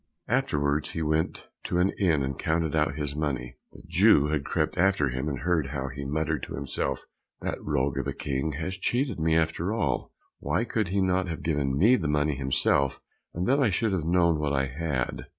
Afterwards he went to an inn and counted out his money. The Jew had crept after him and heard how he muttered to himself, "That rogue of a King has cheated me after all, why could he not have given me the money himself, and then I should have known what I had?